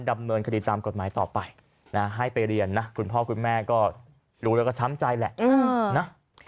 ดำเนินคดีตามกฎหมายต่อไปนะให้ไปเรียนนะคุณพ่อคุณแม่ก็รู้แล้วก็ช้ำใจแหละนะ